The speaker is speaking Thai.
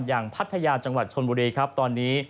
พัทยาจังหวัดชนบุรีครับตอนนี้